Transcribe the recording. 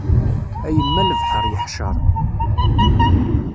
A yemma lebḥer yeḥcer.